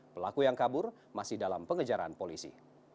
pelaku yang kabur masih dalam pengejaran polisi